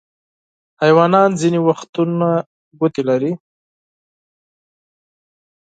حیوانات ځینې وختونه ګوتې لري.